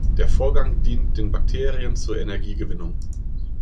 Der Vorgang dient den Bakterien zur Energiegewinnung.